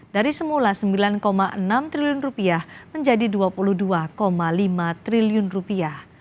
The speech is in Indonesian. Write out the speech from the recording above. dari semula sembilan enam triliun rupiah menjadi dua puluh dua lima triliun rupiah